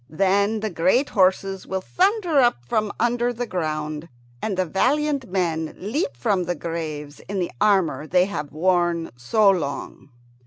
Then the great horses will thunder up from under the ground, and the valiant men leap from the graves in the armour they have worn so long.